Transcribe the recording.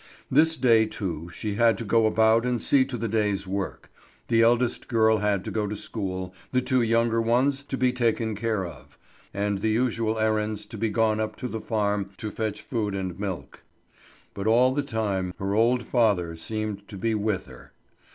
This day, too, she had to go about and see to the day's work. The eldest girl had to go to school, the two younger ones to be taken care of, and the usual errands to be gone up to the farm to fetch food and milk. But all the time her old father seemed to be with her.